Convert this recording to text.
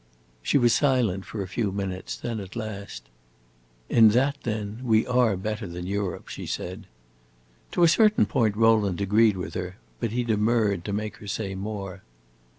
She was silent for a few minutes; then at last, "In that, then, we are better than Europe," she said. To a certain point Rowland agreed with her, but he demurred, to make her say more.